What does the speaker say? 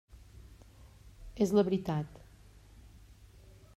És la veritat.